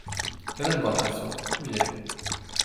Te nem vadászol, ugye?